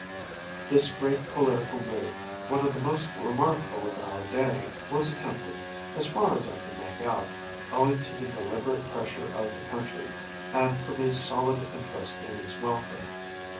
(101) This great political move, one of the most remarkable of our day, was attempted, as far as I can make out, owing to the deliberate pressure of the country, and from a solid interest in its welfare.